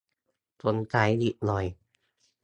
สงสัยอีกหน่อย